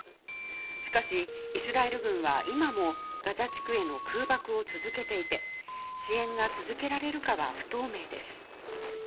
しかし、イスラエル軍は今もガザ地区への空爆を続けていて支援が続けられるかは不透明です。